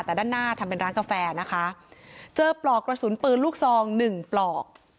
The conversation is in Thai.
แต่ด้านหน้าทำเป็นร้านกาแฟนะคะเจอปลอกกระสุนปืนลูกซองหนึ่งปลอก